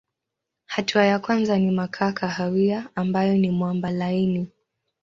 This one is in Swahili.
Hatua ya kwanza ni makaa kahawia ambayo ni mwamba laini.